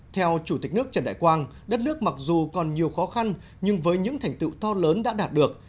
theo chủ tịch nước trần đại quang đất nước mặc dù còn nhiều khó khăn nhưng với những thành tựu to lớn đã đạt được